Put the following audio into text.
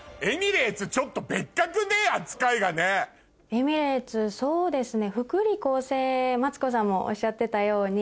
エミレーツそうですね。